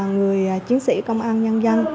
người chiến sĩ công an nhân dân